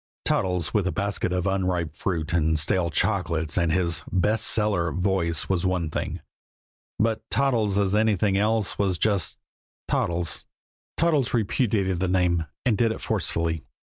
Toddles with a basket of unripe fruit and stale chocolates and his "best seller" voice was one thing; but Toddles as anything else was just Toddles. Toddles repudiated the name, and did it forcefully.